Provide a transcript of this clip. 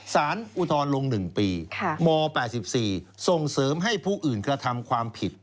อุทธรณ์ลง๑ปีม๘๔ส่งเสริมให้ผู้อื่นกระทำความผิด